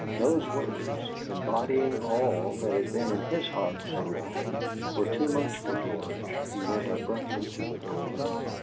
Those words, embodying all that had been in his heart so long, were too much for George. He went abruptly to the door.